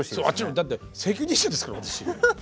だって責任者ですから私。